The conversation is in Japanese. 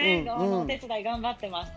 お手伝い頑張ってます。